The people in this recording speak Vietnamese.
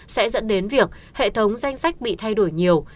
sẽ dẫn đến việc hệ thống danh sách bị thay đổi nhiều